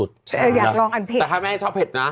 แต่ถ้าแม่ชอบเพชรนะถ้าแม่แสงนาสดดาย